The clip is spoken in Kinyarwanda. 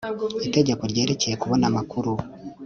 itegeko ryerekeye kubona amakuru